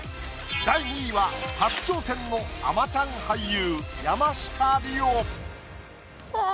第２位は初挑戦の『あまちゃん』俳優。